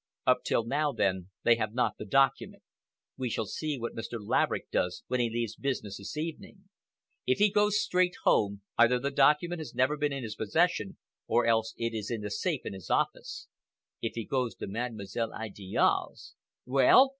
Up till now, then, they have not the document. We shall see what Mr. Laverick does when he leaves business this evening; if he goes straight home, either the document has never been in his possession, or else it is in the safe in his office; if he goes to Mademoiselle Idiale's—" "Well?"